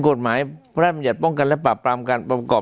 กฎหมายพระราชบัญญัติป้องกันและปรับปรามการประกอบ